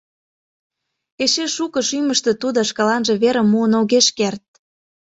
Эше шуко шӱмыштӧ Тудо Шкаланже верым муын огеш керт.